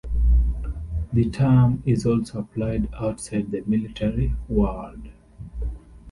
The term is also applied outside the military world.